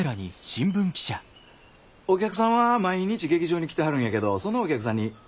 お客さんは毎日劇場に来てはるんやけどそのお客さんに何かひと言ある？